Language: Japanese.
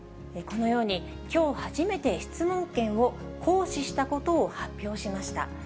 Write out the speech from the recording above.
このように、きょう初めて質問権を行使したことを発表しました。